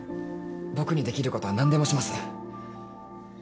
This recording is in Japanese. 僕にできることは何でもします。